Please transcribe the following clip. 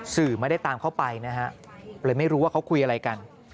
สื่อไม่ได้ตามเข้าไปนะฮะเลยไม่รู้ว่าเขาคุยอะไรกัน